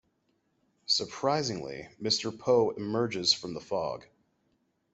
Surprisingly, Mr. Poe emerges from the fog.